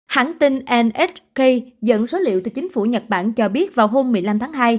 hãng tin k dẫn số liệu từ chính phủ nhật bản cho biết vào hôm một mươi năm tháng hai